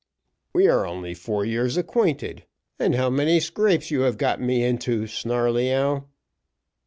"We are only four years acquainted, and how many scrapes you have got me into, Snarleyyow!"